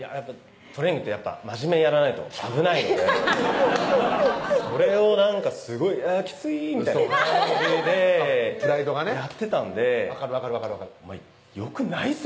トレーニングってやっぱマジメにやらないと危ないのでそれをなんかすごい「きつい」みたいな感じでやってたんで分かる分かる分かる「よくないぞ！」